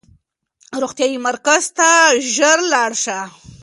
روغتیايي مرکز ته ژر لاړ شئ.